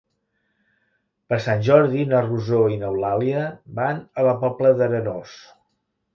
Per Sant Jordi na Rosó i n'Eulàlia van a la Pobla d'Arenós.